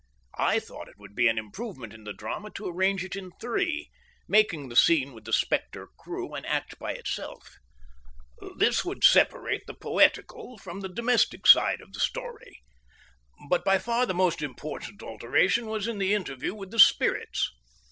I thought it would be an improvement in the drama to arrange it in three, making the scene with the spectre crew an act by itself. This would separate the poetical from the domestic side of the story. But by far the most important alteration was in the interview with the spirits.